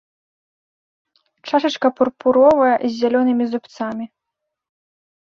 Чашачка пурпуровая з зялёнымі зубцамі.